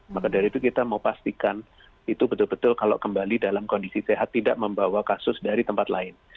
maka dari itu kita mau pastikan itu betul betul kalau kembali dalam kondisi sehat tidak membawa kasus dari tempat lain